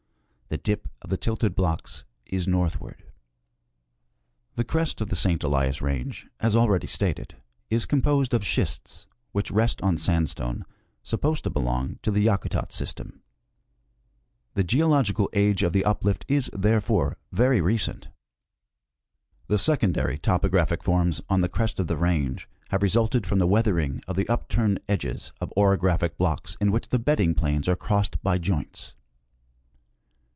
The dip of the tilted blocks is northward. The crest of the St. Elias range, as already stated, is composed of schists which rest on sandstone, supposed to belong to the Yakutat system. The geological age of the uplift is, therefore, very recent. The secondary topographic forms on the crest of the range have resulted from the weathering of the upturned edges of orographic blocks in which the bedding planes are crossed by joints.